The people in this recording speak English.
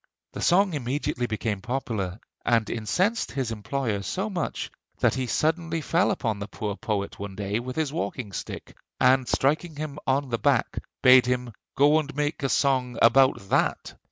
The song immediately became popular, and incensed his employer so much that he suddenly fell upon the poor poet one day with his walking stick, and striking him on the back, bade him 'go and make a song about that.'